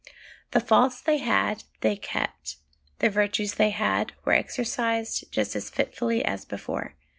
The faults they had, they kept ; the virtues they had were exercised just as fitfully as before.